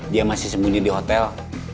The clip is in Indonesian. dia masih sembunyi di hotel